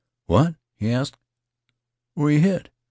"What?" he asked. "Where yeh hit?"